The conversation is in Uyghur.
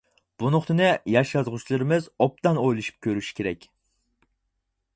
بۇ نۇقتىنى ياش يازغۇچىلىرىمىز ئوبدان ئويلىشىپ كۆرۈشى كېرەك.